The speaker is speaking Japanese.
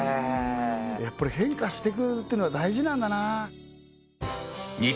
やっぱり変化していくというのは大事なんだな